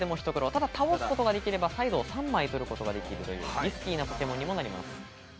ただ倒すことができればサイドを３枚取ることができるというリスキーなポケモンにもなります。